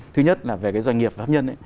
thứ nhất là về cái doanh nghiệp và hấp nhân